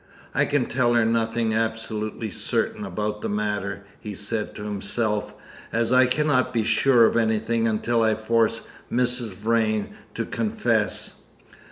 "I can tell her nothing absolutely certain about the matter," he said to himself, "as I cannot be sure of anything until I force Mrs. Vrain to confess.